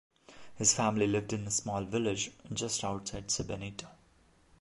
His family lived in a small village just outside Sabaneta.